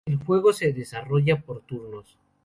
El juego se desarrolla por turnos.